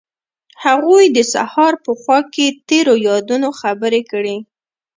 هغوی د سهار په خوا کې تیرو یادونو خبرې کړې.